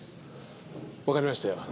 わかりましたよ。